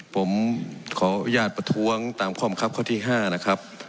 ผมขออนุญาตประท้วงตามข้อบังคับข้อที่๕นะครับ